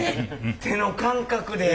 手の感覚で。